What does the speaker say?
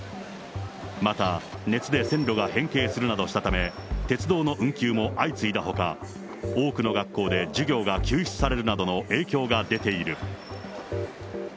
また熱で線路が変形するなどしたため、鉄道の運休も相次いだほか、多くの学校で授業が休止されるなどの影響が出ている。